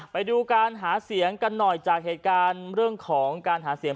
ไปดูการหาเสียงกันหน่อยจากเหตุการณ์เรื่องของการหาเสียง